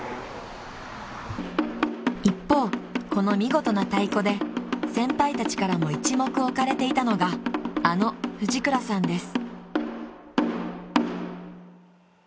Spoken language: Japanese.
［一方この見事な太鼓で先輩たちからも一目置かれていたのがあの藤倉さんです］